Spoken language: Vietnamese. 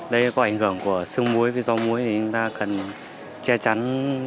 đây có ảnh hưởng của sương muối với rau muối thì chúng ta cần che chắn